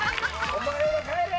お前は帰れ！